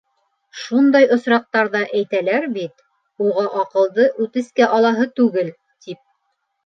Шундай осраҡтарҙа әйтәләр бит: «Уға аҡылды үтескә алаһы түгел», тип.